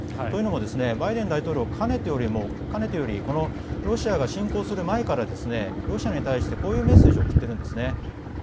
というのもバイデン大統領はかねてより、ロシアが侵攻する前からロシアに対してこういうメッセージを送っているんですね。